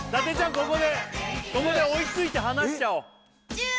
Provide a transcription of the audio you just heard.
ここでここで追いついて離しちゃおうえっ？